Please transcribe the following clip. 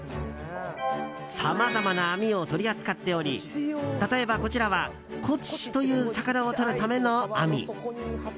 さまざまな網を取り扱っており例えば、こちらはコチという魚をとるための網。